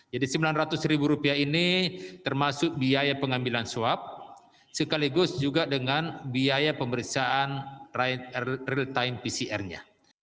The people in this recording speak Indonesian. jadi rp sembilan ratus ini termasuk biaya pengambilan swab sekaligus juga dengan biaya pemeriksaan real time pcr nya